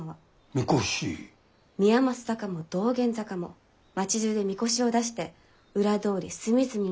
みこし？宮益坂も道玄坂も町じゅうでみこしを出して裏通り隅々まで練り歩くんです。